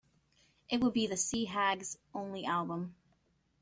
It would be the Sea Hags' only album.